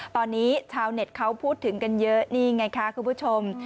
ตอนนี้ชาวเน็ตเขาพูดถึงกันเยอะนี่ไงคะคุณผู้ชม